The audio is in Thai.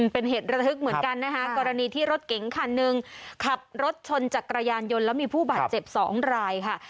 เป็นเหตุระทึกเหมือนกันนะคะกรณีที่รถเก๋งคันหนึ่งขับรถชนจักรยานยนต์แล้วมีผู้บาดเจ็บสองรายค่ะ